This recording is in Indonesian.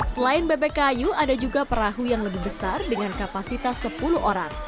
selain bebek kayu ada juga perahu yang lebih besar dengan kapasitas sepuluh orang